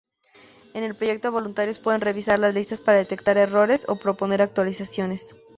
En el proyecto, voluntarios pueden revisar las listas para detectar errores o proponer actualizaciones.